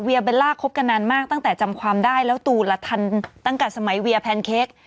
เบลล่าคบกันนานมากตั้งแต่จำความได้แล้วตูละทันตั้งแต่สมัยเวียแพนเค้ก